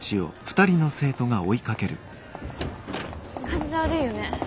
感じ悪いよね。